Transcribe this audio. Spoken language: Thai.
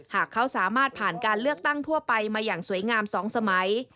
หากเขาสามารถผ่านการเลือกตั้งทั่วไปมาอย่างสวยงาม๒สมัย